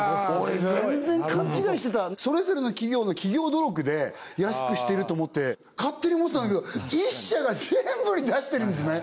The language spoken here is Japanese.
俺全然勘違いしてたそれぞれの企業の企業努力で安くしてると思って勝手に思ってたんだけど１社が全部に出してるんですね